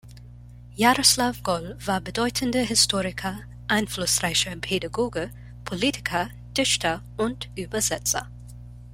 Jaroslav Goll war bedeutender Historiker, einflussreicher Pädagoge, Politiker, Dichter und Übersetzer.